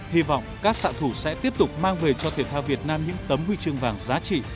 hy vọng các sạ thủ sẽ tiếp tục mang về cho thể thao việt nam những tấm huy chương vàng giá trị